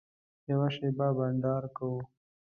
یوه شېبه بنډار کوو.